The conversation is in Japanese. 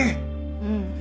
うん。